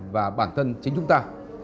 và bản thân chính chúng ta